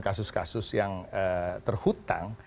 kasus kasus yang terhutang